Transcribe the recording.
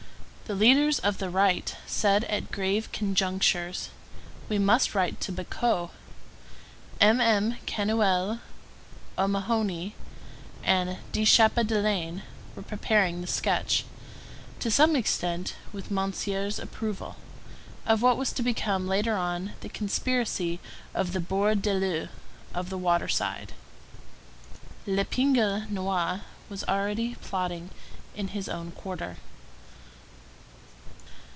The leaders of the Right said at grave conjunctures, "We must write to Bacot." MM. Canuel, O'Mahoney, and De Chappedelaine were preparing the sketch, to some extent with Monsieur's approval, of what was to become later on "The Conspiracy of the Bord de l'Eau"—of the waterside. L'Épingle Noire was already plotting in his own quarter.